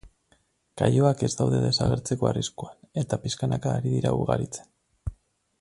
Kaioak ez daude desagertzeko arriskuan, eta pixkanaka ari dira ugaritzen.